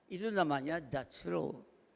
itu namanya dutch roll